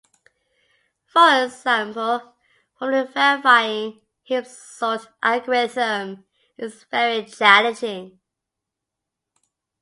For example, formally verifying heap-sort algorithm is very challenging.